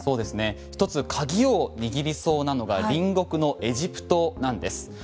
１つ鍵を握りそうなのが隣国のエジプトなんです。